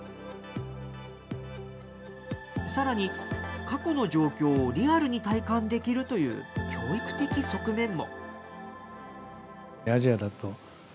さらに、過去の状況をリアルに体感できるという教育的側面も。